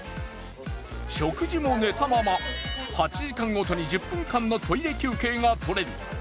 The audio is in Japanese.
食事も寝たまま、８時間ごとに１０分間のトイレ休憩が取れる。